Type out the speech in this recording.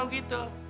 kalau gitu